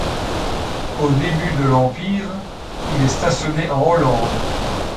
Au début de l'Empire il est stationné en Hollande.